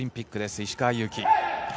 石川祐希。